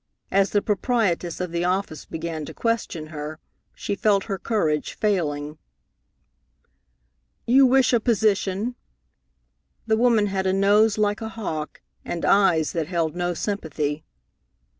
As the proprietress of the office began to question her, she felt her courage failing. "You wish a position?" The woman had a nose like a hawk, and eyes that held no sympathy.